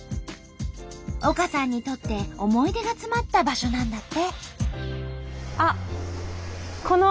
丘さんにとって思い出が詰まった場所なんだって。